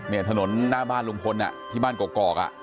เนี่ยถนนหน้าบ้านลุงพลที่บ้านกรอกกรอก